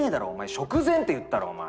食前って言ったろお前。